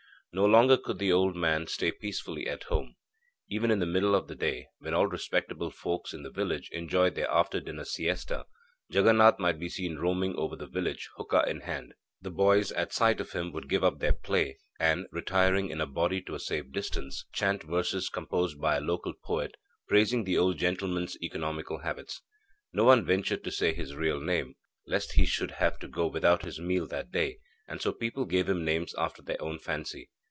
No longer could the old man stay peacefully at home. Even in the middle of the day, when all respectable folks in the village enjoyed their after dinner siesta, Jaganath might be seen roaming over the village, hooka in hand. The boys, at sight of him, would give up their play, and, retiring in a body to a safe distance, chant verses composed by a local poet, praising the old gentleman's economical habits. No one ventured to say his real name, lest he should have to go without his meal that day and so people gave him names after their own fancy.